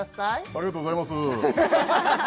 ありがとうございます